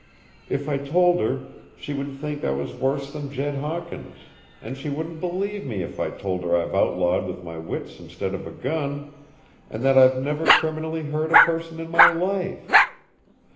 If I told her, she would think I was worse than Jed Hawkins, and she wouldn't believe me if I told her I've outlawed with my wits instead of a gun, and that I've never criminally hurt a person in my life.